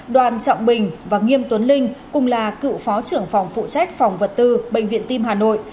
đoàn trọng bình và nghiêm tuấn linh cùng là cựu phó trưởng phòng phụ trách phòng vật tư bệnh viện tim hà nội